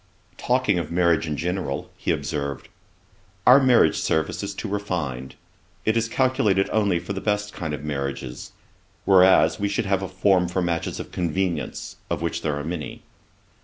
Talking of marriage in general, he observed, 'Our marriage service is too refined. It is calculated only for the best kind of marriages; whereas, we should have a form for matches of convenience, of which there are many.'